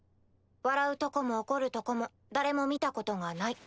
笑うとこも怒るとこも誰も見たことがない。